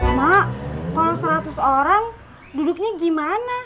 cuma kalau seratus orang duduknya gimana